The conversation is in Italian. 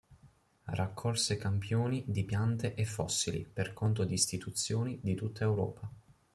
Raccolse campioni di piante e fossili per conto di istituzioni di tutta Europa.